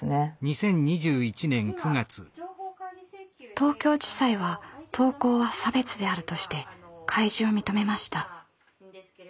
東京地裁は投稿は「差別」であるとして開示を認めました。